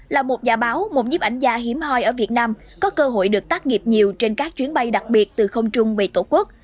là một nhà báo một nhếp ảnh gia hiếm hoi ở việt nam có cơ hội được tác nghiệp nhiều trên các chuyến bay đặc biệt từ không trung về tổ quốc